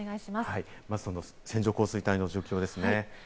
まず線状降水帯の状況ですね。